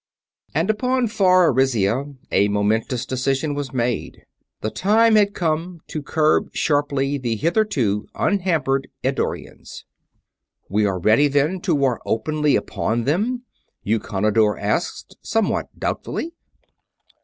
_ And upon far Arisia a momentous decision was made: the time had come to curb sharply the hitherto unhampered Eddorians. "_We are ready, then, to war openly upon them?" Eukonidor asked, somewhat doubtfully.